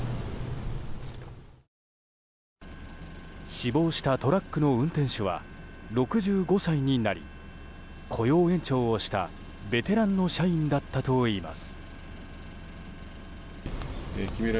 死亡したトラックの運転手は６５歳になり雇用延長をしたベテランの社員だったといいます。